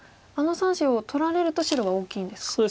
あの３子を取られると白は大きいんですか。